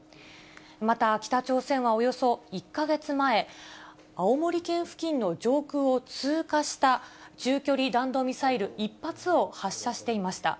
また、北朝鮮はおよそ１か月前、青森県付近の上空を通過した中距離弾道ミサイル１発を発射していました。